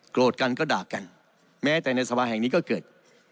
กันก็ด่ากันแม้แต่ในสภาแห่งนี้ก็เกิด